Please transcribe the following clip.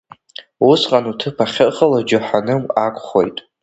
Усҟан уҭыԥ ахьыҟало џьаҳаным акәхоит!